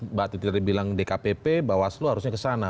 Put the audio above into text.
mbak titir bilang dkpp bawaslu harusnya kesana